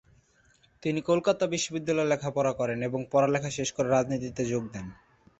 তিনি কলকাতা বিশ্ববিদ্যালয়ে লেখাপড়া করেন এবং লেখাপড়া শেষ করে রাজনীতিতে যোগ দেন।